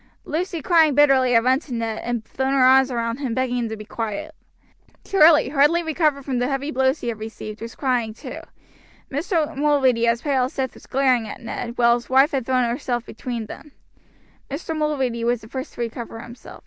Lucy crying bitterly had run to Ned and thrown her arms round him, begging him to be quiet. Charlie, hardly recovered from the heavy blows he had received, was crying too. Mr. Mulready as pale as death was glaring at Ned, while his wife had thrown herself between them. Mr. Mulready was the first to recover himself.